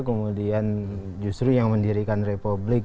kemudian justru yang mendirikan republik